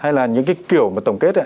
hay là những cái kiểu mà tổng kết